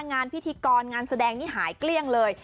งานพิธีกรงานแสดงนี่หายเกลี้ยงเลย